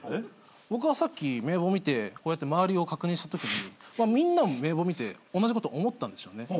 僕はさっき名簿見てこうやって周りを確認したときにみんなも名簿見て同じこと思ったんでしょうね。